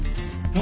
何？